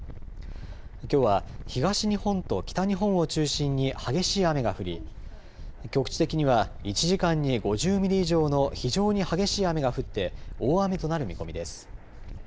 きょうは東日本と北日本を中心に激しい雨が降り局地的には１時間に５０ミリ以上の非常に激しい雨が降って大雨となる見込みです。